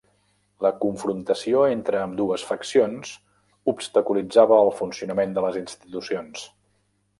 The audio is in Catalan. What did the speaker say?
La confrontació entre ambdues faccions obstaculitzava el funcionament de les institucions.